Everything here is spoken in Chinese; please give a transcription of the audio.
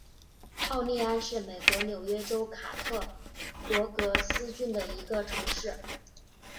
奥利安是美国纽约州卡特罗格斯郡的一个城市。